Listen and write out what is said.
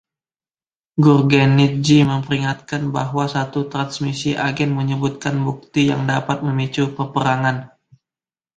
Gurgenidze memperingatkan bahwa satu transmisi agen menyebutkan bukti yang dapat memicu peperangan.